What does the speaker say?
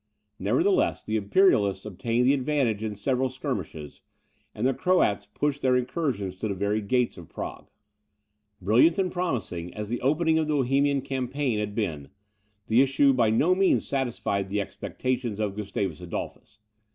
Nevertheless, the Imperialists obtained the advantage in several skirmishes, and the Croats pushed their incursions to the very gates of Prague. Brilliant and promising as the opening of the Bohemian campaign had been, the issue by no means satisfied the expectations of Gustavus Adolphus.